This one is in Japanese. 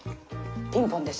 ピンポンです。